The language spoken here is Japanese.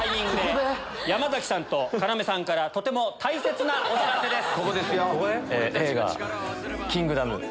ここで⁉山さんと要さんからとても大切なお知らせです。